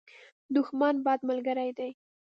دښمن، بد ملګری دی.